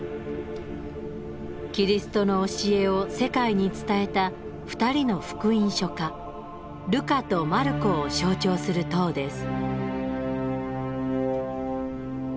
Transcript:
キリストの教えを世界に伝えた２人の福音書家ルカとマルコを象徴する塔です。